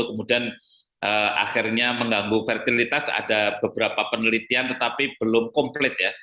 kemudian akhirnya mengganggu fertilitas ada beberapa penelitian tetapi belum komplit ya